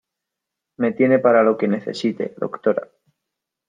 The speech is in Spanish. me tiene para lo que necesite, doctora.